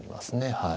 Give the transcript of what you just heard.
はい。